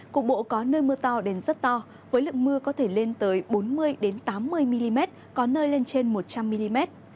cục bộ có nơi mưa to đến rất to với lượng mưa có thể lên tới bốn mươi tám mươi mm có nơi lên trên một trăm linh mm